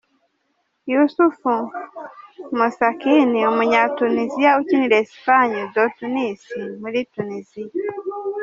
Youssef Msakni, umunyatuniziya ukinira Esperance de Tunis muri Tuniziya.